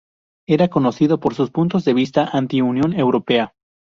Era conocido por sus puntos de vista anti-Unión Europea.